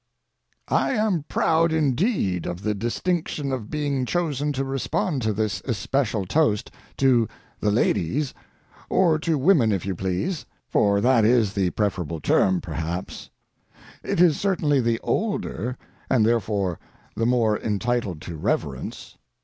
I am proud, indeed, of the distinction of being chosen to respond to this especial toast, to "The Ladies," or to women if you please, for that is the preferable term, perhaps; it is certainly the older, and therefore the more entitled to reverence.